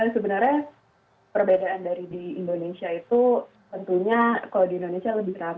sebenarnya perbedaan dari di indonesia itu tentunya kalau di indonesia lebih ramah